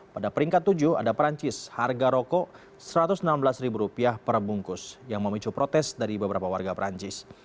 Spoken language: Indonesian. pada peringkat tujuh ada perancis harga rokok rp satu ratus enam belas perbungkus yang memicu protes dari beberapa warga perancis